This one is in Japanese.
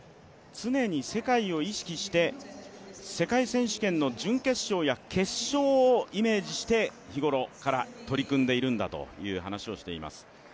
常に世界を意識して世界選手権の準決勝や決勝をイメージして日頃から取り組んでいるんだという話をしています。